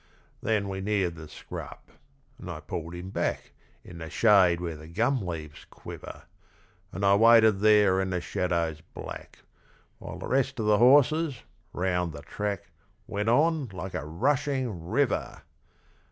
Then we neared the scrub, and I pulled him back In the shade where the gum leaves quiver: And I waited there in the shadows black While the rest of the horses, round the track, Went on like a rushing river!